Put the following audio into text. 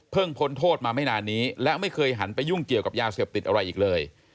พ้นโทษมาไม่นานนี้และไม่เคยหันไปยุ่งเกี่ยวกับยาเสพติดอะไรอีกเลย